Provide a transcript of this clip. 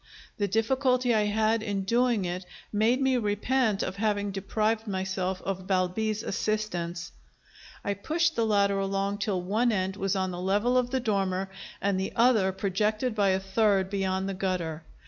The difficulty I had in doing it made me repent of having deprived myself of Balbi's assistance. I pushed the ladder along till one end was on the level of the dormer and the other projected by a third beyond the gutter.